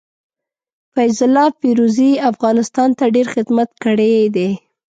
فيض الله فيروزي افغانستان ته ډير خدمت کړي دي.